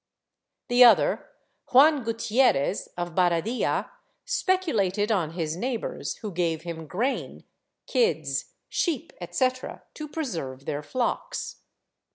The other, Juan Gutierrez of Baradilla, speculated on his neighbors, who gave him grain, kids, sheep etc., to preserve their flocks.